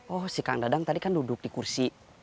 oh si kang dadang tadi kan duduk di kursi